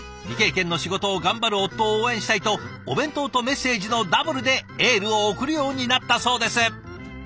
未経験の仕事を頑張る夫を応援したいとお弁当とメッセージのダブルでエールを送るようになったそうです。